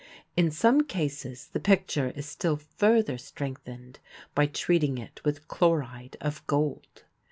In some cases the picture is still further strengthened by treating it with chloride of gold.